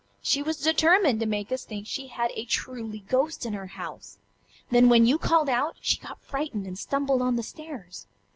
She was determined to make us think she had a truly ghost in her house. Then when you called out, she got frightened and stumbled on the stairs.